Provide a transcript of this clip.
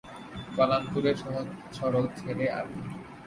পালামপুরের সহজ-সরল ছেলে আমি।